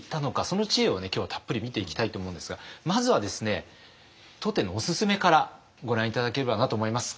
その知恵を今日はたっぷり見ていきたいと思うんですがまずはですね当店のおすすめからご覧頂ければなと思います。